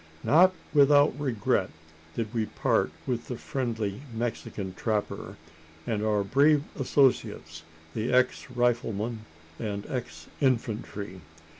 Not without regret did we part with the friendly Mexican trapper, and our brave associates, the ex rifleman and ex infantry.